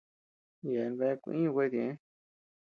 Yeabean bea kuïñu kuete ñeʼë.